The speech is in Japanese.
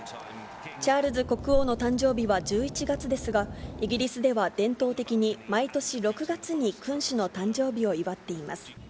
チャールズ国王の誕生日は１１月ですが、イギリスでは伝統的に、毎年６月に君主の誕生日を祝っています。